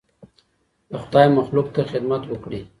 د خدای مخلوق ته خدمت وکړئ.